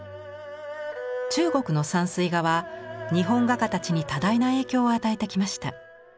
中国の山水画は日本画家たちに多大な影響を与えてきました。